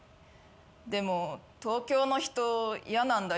でも東京の人嫌なんだよ。